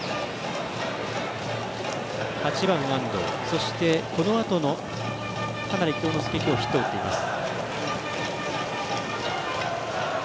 ８番、安藤そして、このあと羽成恭之介がヒットを打っています。